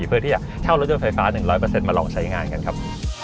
เพื่อที่จะเช่ารถยนต์ไฟฟ้า๑๐๐มาลองใช้งานกันครับ